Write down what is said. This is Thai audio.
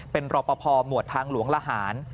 เป็นรอปภหมวดทางหลวงละหาร